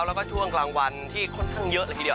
แล้วก็ช่วงกลางวันที่ค่อนข้างเยอะเลยทีเดียว